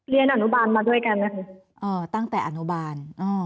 เรียนอนุบาลมาด้วยกันนะคะตั้งแต่อนุบาล